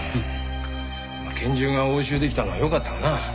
まあ拳銃が押収できたのはよかったがな。